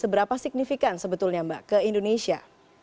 seberapa signifikan sebetulnya mbak ke indonesia